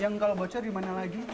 yang kalau bocah di mana lagi